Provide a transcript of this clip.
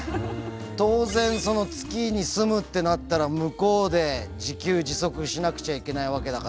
当然月に住むってなったら向こうで自給自足しなくちゃいけないわけだから。